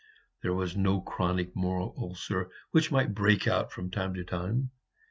There was no chronic moral ulcer, which might break out from time to time.